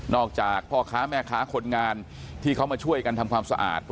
อกจากพ่อค้าแม่ค้าคนงานที่เขามาช่วยกันทำความสะอาด